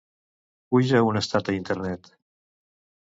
Puja un estat a Internet.